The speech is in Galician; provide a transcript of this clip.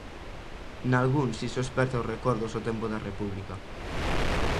Nalgúns iso esperta os recordos do tempo da república.